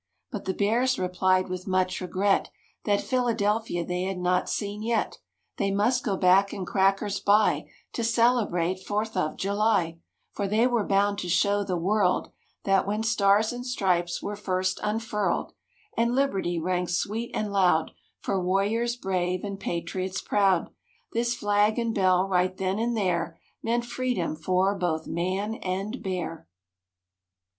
But the Bears replied with much regret That Philadelphia they had not seen yet; They must go back and crackers buy To celebrate Fourth of July, For they were bound to show the world That when stars and stripes were first unfurled And liberty rang sweet and loud For warriors brave and patriots proud, This flag and bell, right then and there. Meant freedom for both man and bear.